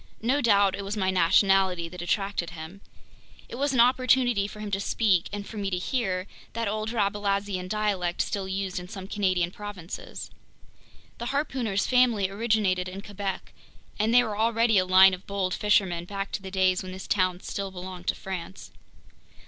No doubt it was my nationality that attracted him. It was an opportunity for him to speak, and for me to hear, that old Rabelaisian dialect still used in some Canadian provinces. The harpooner's family originated in Quebec, and they were already a line of bold fishermen back in the days when this town still belonged to France.